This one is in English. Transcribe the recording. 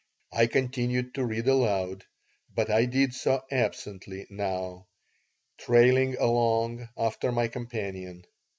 I continued to read aloud, but I did so absently now, trailing along after my companion.